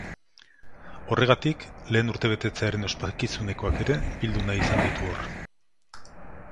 Horregatik, lehen urtebetetzearen ospakizunekoak ere bildu nahi izan ditu hor.